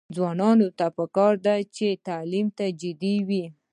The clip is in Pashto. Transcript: ځوانانو ته پکار ده چې، تعلیم ته جدي وي.